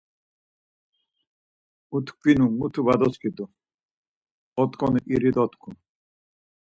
Utkvinu mutu va doskidu, otkoni iri dotku.